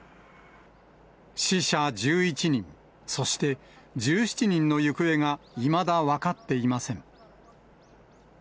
死者１１人、そして１７人の行方がいまだ分かっていません。